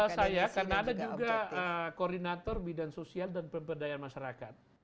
saya karena ada juga koordinator bidang sosial dan pemberdayaan masyarakat